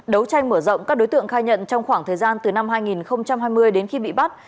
đấu tranh mở rộng các đối tượng khai nhận trong khoảng thời gian từ năm hai nghìn hai mươi đến khi bị bắt